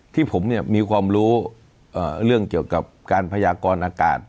ที่ผมเนี่ยมีความรู้เรื่องเกี่ยวกับการพยากรอากาศ